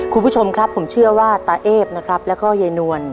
คุณผู้ชมครับผมเชื่อว่าตาเอฟนะครับแล้วก็ยายนวล